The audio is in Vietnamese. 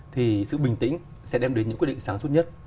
thì sự bình tĩnh sẽ đem đến những quyết định sáng suốt nhất